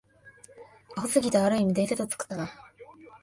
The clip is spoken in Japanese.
アホすぎて、ある意味伝説を作ったな